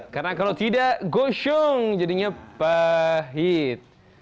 karena kalau tidak gosyung jadinya pahit